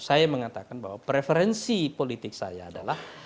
saya mengatakan bahwa preferensi politik saya adalah